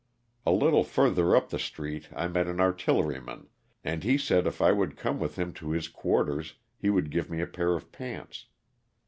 A little further up the street I met an artilleryman and he said if I would come with him to his quarters he would give me a pair of pants.